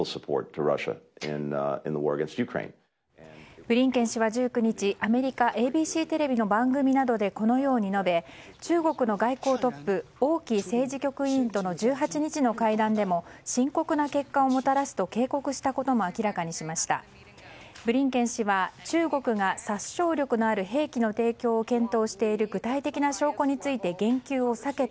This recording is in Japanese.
ブリンケン氏は１９日アメリカＡＢＣテレビの番組などでこのように述べ中国の外交トップ王毅政治局委員との１８日の会談でも深刻な結果をもたらすと警告したことも明らかにしました。